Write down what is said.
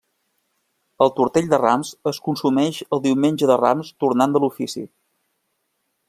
El Tortell de Rams es consumeix el Diumenge de Rams, tornant de l'ofici.